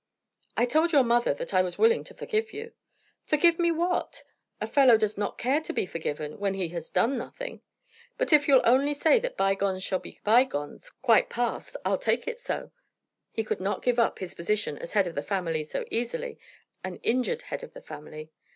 "I told your mother that I was willing to forgive you." "Forgive me what? A fellow does not care to be forgiven when he has done nothing. But if you'll only say that by gones shall be by gones quite past I'll take it so." He could not give up his position as head of the family so easily, an injured head of the family.